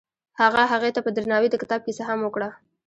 هغه هغې ته په درناوي د کتاب کیسه هم وکړه.